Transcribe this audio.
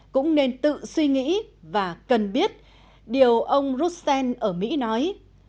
cũng nên tự suy nghĩ và cần biết điều ông roussen ở mỹ nói